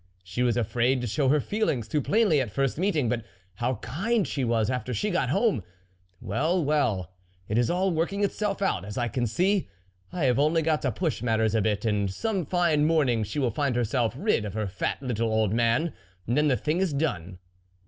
She was afraid to show her feelings too plainly at first meeting ; but how kind she was after she got home ! Well, well, it is all working itself out, as I can see ; I have only got to push matters a bit ; and some fine morn THE WOLF LEADER 61 ing she will find herself rid of her fat little old man, and then the thing is done.